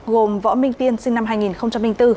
gồm võ minh tiên sinh năm hai nghìn bốn